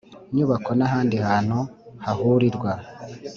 Nyubako n ahandi hantu hahurirwa